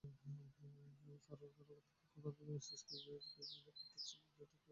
কারণ, তখন তাদের মস্তিষ্কের প্রিফ্রন্টাল কর্টেক্স অংশটি ঠিকমতো কাজ করে না।